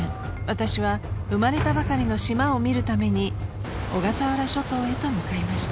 ［私は生まれたばかりの島を見るために小笠原諸島へと向かいました］